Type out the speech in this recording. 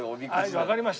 わかりました。